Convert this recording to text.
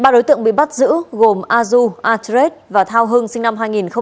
ba đối tượng bị bắt giữ gồm azu atret và thao hưng sinh năm hai nghìn sáu